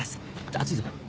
熱いぞ。